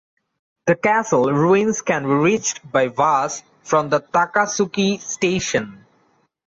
The castle ruins can be reached by bus from the Takatsuki Station.